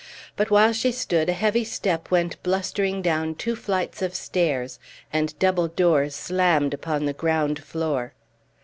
But while she stood a heavy step went blustering down two flights of stairs, and double doors slammed upon the ground floor.